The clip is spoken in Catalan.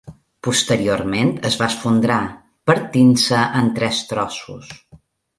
Posteriorment es va esfondrar, partint-se en tres trossos.